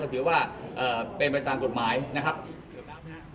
ถือว่าเป็นไปตามกฎหมายนะครับ